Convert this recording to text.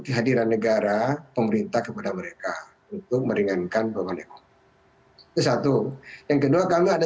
kehadiran negara pemerintah kepada mereka untuk meringankan beban ekonomi itu satu yang kedua kami ada